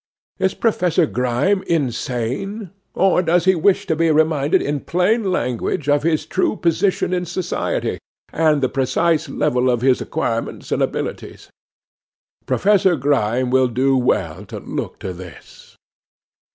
Is Professor Grime insane? or does he wish to be reminded in plain language of his true position in society, and the precise level of his acquirements and abilities? Professor Grime will do well to look to this.